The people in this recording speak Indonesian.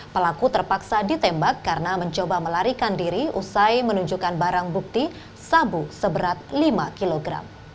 pelaku terpaksa ditembak karena mencoba melarikan diri usai menunjukkan barang bukti sabu seberat lima kg